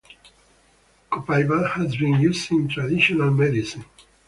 Copaiba has been used in traditional medicine.